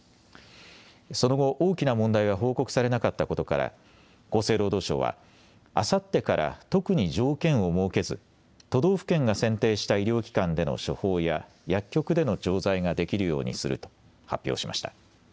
その後、大きな問題が報告されなかったことから、厚生労働省は、あさってから特に条件を設けず、都道府県が選定した医療機関での処方や、薬局での調剤ができるようにすると発表しました。